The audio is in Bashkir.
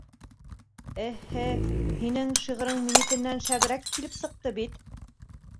Эһ-һе... һинең шиғырың минекенән шәберәк килеп сыҡты бит!